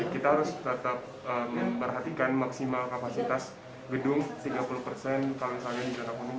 kita harus tetap memperhatikan maksimal kapasitas gedung tiga puluh persen kalau misalnya di jatah kuning